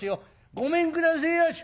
「ごめんくだせえやし」。